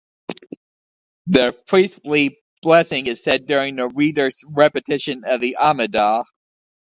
The Priestly Blessing is said during the Reader's repetition of the Amidah.